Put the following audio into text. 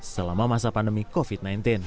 selama masa pandemi covid sembilan belas